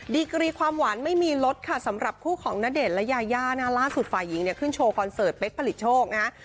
กรีความหวานไม่มีลดค่ะสำหรับคู่ของณเดชน์และยาย่านะล่าสุดฝ่ายหญิงเนี่ยขึ้นโชว์คอนเสิร์ตเป๊กผลิตโชคนะฮะ